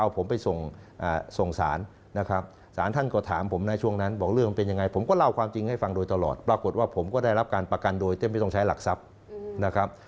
ปรากฏว่าผมก็ได้รับการประกันโดยเต็มไม่ต้องใช้หลักทรัพย์นะครับ